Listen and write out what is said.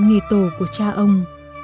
nghề tổ của cha ông